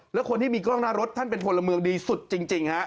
แล้วคนที่มีกล้องหน้ารถท่านเป็นพลเมืองดีสุดจริงฮะ